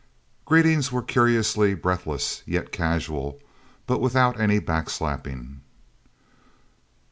Greetings were curiously breathless yet casual, but without any backslapping.